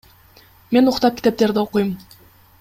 Мен уктап, китептерди окуйм.